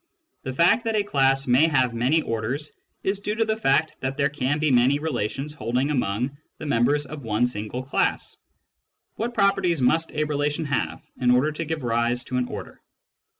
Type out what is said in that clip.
The fact that a class may have many orders is due to the fact that there can be many relations holding among the members of one single class. What properties must a relation have in order to give rise to an order